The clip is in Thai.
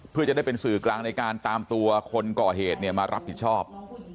เพื่อจะได้เป็นสื่อกลางในการตามตัวคนก่อเหตุมารับผิดชอบ